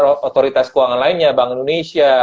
otoritas keuangan lainnya bank indonesia